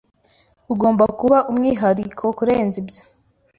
Ugomba kuba umwihariko kurenza ibyo.